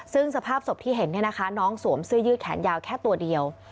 ซึ่งสภาพศพที่เห็นเนี่ยนะคะน้องสวมเสื้อยืดแขนยาวแค่ตัวเดียว